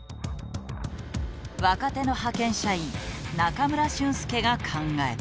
若手の派遣社員中村駿介が考えた。